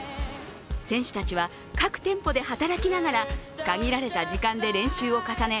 選手たちは、各店舗で働きながら限られた時間で練習を重ね